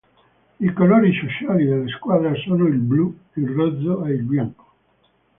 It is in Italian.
I colori sociali della squadra sono il blu, il rosso e il bianco.